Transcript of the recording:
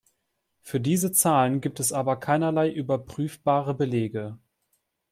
Für diese Zahlen gibt es aber keinerlei überprüfbare Belege.